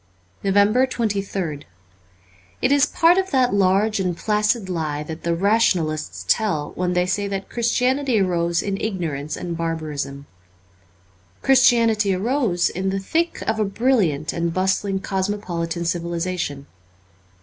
362 NOVEMBER 23rd IT is part of that large and placid lie that the rationalists tell when they say that Chris tianity arose in ignorance and barbarism. Christianity arose in the thick of a brilliant and bustling cosmopolitan civilization.